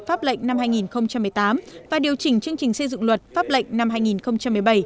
pháp lệnh năm hai nghìn một mươi tám và điều chỉnh chương trình xây dựng luật pháp lệnh năm hai nghìn một mươi bảy